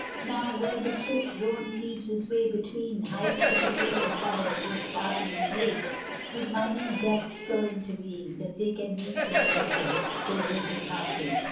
Now, where the swift Rhone cleaves his way between Heights which appear as lovers who have parted In hate, whose mining depths so intervene That they can meet no more, though broken hearted!